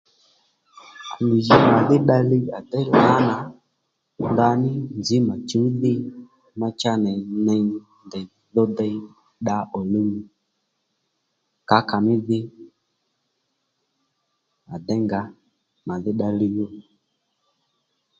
À nì jǐ màdhi dda liy à déy lǎnà ndaní nzǐ mà chùw dhi ma cha ndèynì ney ndèydho dey dda pbùw ó nì kǎkà mí dhi à déy ngǎ mà dhí dda li ó